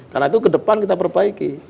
karena itu ke depan kita perbaiki